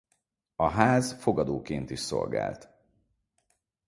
A ház fogadóként is szolgált.